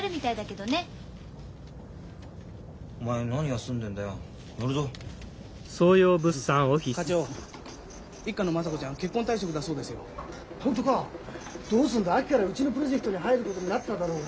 どうすんだ秋からうちのプロジェクトに入ることになってただろうが。